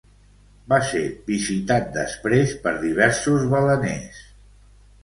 Va ser visitat després per diversos baleners.